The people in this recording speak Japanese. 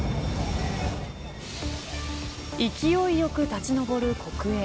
勢いよく立ち上る黒煙。